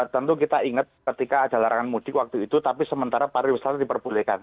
tentu kita ingat ketika ada larangan mudik waktu itu tapi sementara pariwisata diperbolehkan